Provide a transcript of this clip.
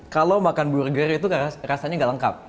kalau makan burger itu rasanya nggak lengkap